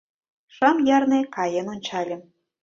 Шым йырне, каен ончальым.